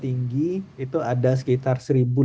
tinggi itu ada sekitar